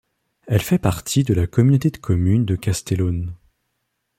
Elle fait partie de la communauté des communes de Kastellaun.